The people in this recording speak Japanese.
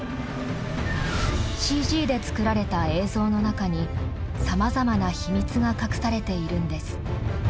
ＣＧで作られた映像の中にさまざまな秘密が隠されているんです。